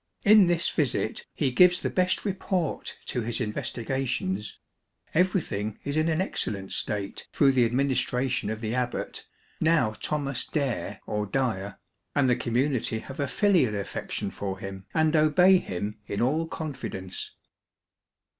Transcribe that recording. In this visit he gives the best report to his investi gations. Everything is in an excellent state through the administration of the abbot, now Thomas Dare or Dyer, and the community have a filial affection for him and obey him in all confidence.